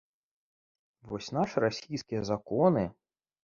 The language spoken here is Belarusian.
Вось нашы расійскія законы!